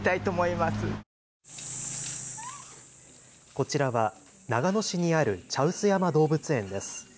こちらは長野市にある茶臼山動物園です。